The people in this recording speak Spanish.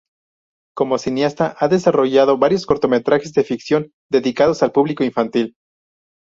Como cineasta ha desarrollado varios cortometrajes de ficción dedicados al público infantil.